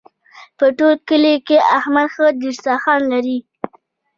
په ټول کلي کې احمد ښه دسترخوان لري.